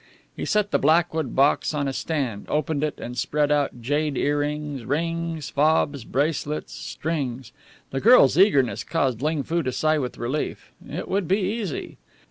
He set the blackwood box on a stand, opened it, and spread out jade earrings, rings, fobs, bracelets, strings. The girl's eagerness caused Ling Foo to sigh with relief. It would be easy.